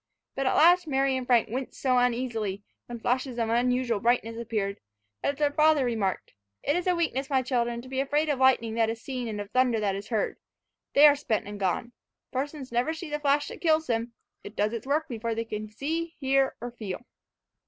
But at last Mary and Frank winced so uneasily, when flashes of unusual brightness appeared, that their father remarked, "It is a weakness, my children, to be afraid of lightning that is seen and of thunder that is heard they are spent and gone. Persons never see the flash that kills them it does its work before they can see, hear, or feel."